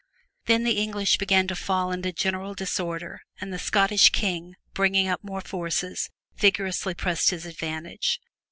Then the English began to fall into general disorder and the Scottish king bringing up more forces, vigorously pressed his advantage.